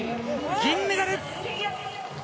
銀メダル！